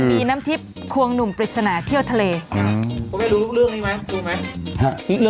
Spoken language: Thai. บีน้ำทิปควงหนุ่มประจนาเที่ยวทะเล